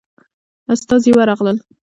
استازي ورغلل.